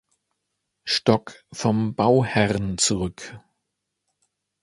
Stock vom Bauherrn zurück.